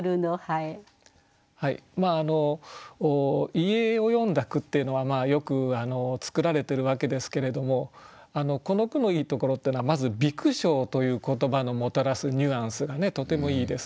遺影を詠んだ句っていうのはよく作られてるわけですけれどもこの句のいいところっていうのはまず「微苦笑」という言葉のもたらすニュアンスがとてもいいです。